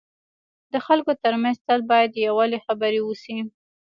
د خلکو ترمنځ تل باید د یووالي خبري وسي.